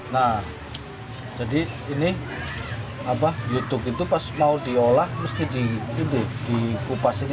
nah jadi ini youtube itu pas mau diolah mesti dikupas ini